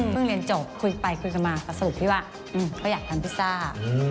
ไปมาไม่ยังไงครับ